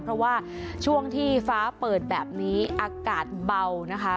เพราะว่าช่วงที่ฟ้าเปิดแบบนี้อากาศเบานะคะ